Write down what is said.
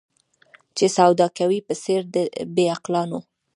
چي سودا کوې په څېر د بې عقلانو